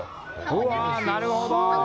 うわ、なるほど！